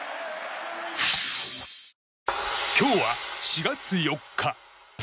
今日は４月４日。